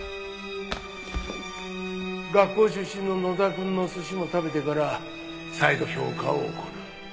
学校出身の野田くんの寿司も食べてから再度評価を行う。